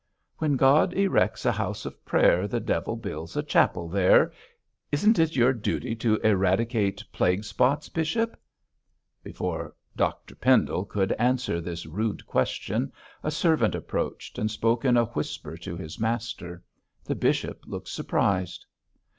'When God erects a house of prayer, The devil builds a chapel there. 'Isn't it your duty to eradicate plague spots, bishop?' Before Dr Pendle could answer this rude question, a servant approached and spoke in a whisper to his master. The bishop looked surprised.